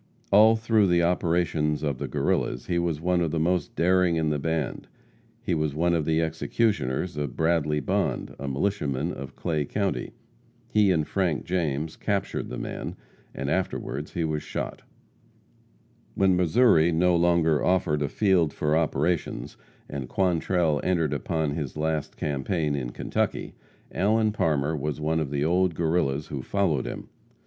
All through the operations of the Guerrillas he was one of the most daring in the band. He was one of the executioners of Bradley Bond, a militiaman of Clay county. He and Frank James captured the man, and afterward he was shot. [Illustration: ALLEN PARMER. (Williams & Thomson, Photographers, Kansas City, Mo.)] When Missouri no longer offered a field for operations, and Quantrell entered upon his last campaign in Kentucky, Allen Parmer was one of the old Guerrillas who followed him.